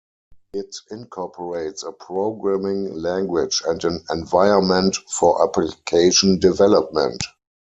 It incorporates a programming language and an environment for application development.